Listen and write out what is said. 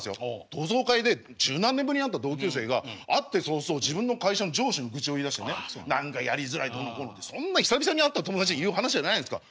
同窓会で十何年ぶりに会った同級生が会って早々自分の会社の上司の愚痴を言いだしてね何かやりづらいどうのこうのってそんな久々に会った友達に言う話じゃないじゃないですか。